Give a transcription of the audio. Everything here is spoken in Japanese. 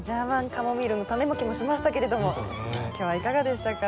カモミールのタネまきもしましたけれども今日はいかがでしたか？